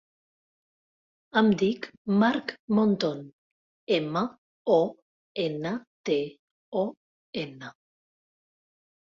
Em dic Marc Monton: ema, o, ena, te, o, ena.